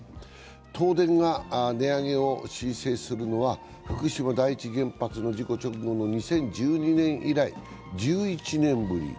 東電が値上げを申請するのは、福島第一原発の事故直後の２０１２年以来１１年ぶり。